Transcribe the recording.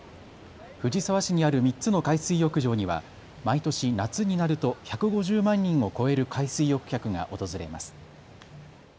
藤沢市にある３つの海水浴場には毎年、夏になると１５０万人を超える海水浴客が訪れます。